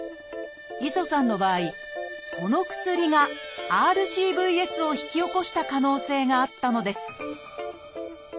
磯さんの場合この薬がＲＣＶＳを引き起こした可能性があったのです